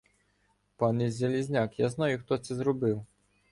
— Пане Залізняк, я знаю, хто це зробив.